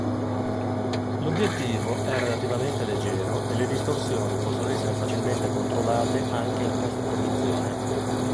L'obiettivo è relativamente leggero e le distorsioni possono essere facilmente controllate anche in post-produzione.